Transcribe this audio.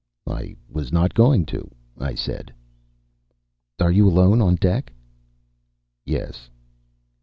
"I was not going to," I said. "Are you alone on deck?" "Yes."